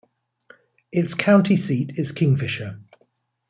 Its county seat is Kingfisher.